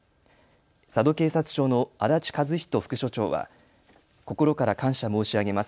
佐渡警察署の安達一仁副署長は心から感謝申し上げます。